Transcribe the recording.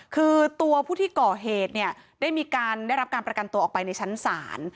คือตัวผู้ที่ก่อเหตุได้รับการประกันตัวออกไปในชั้นสาร